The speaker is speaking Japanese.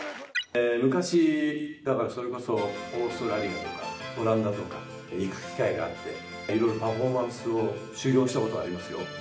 昔、だからそれこそ、オーストラリアとか、オランダとか行く機会があって、いろいろパフォーマンスを修業したことありますよ。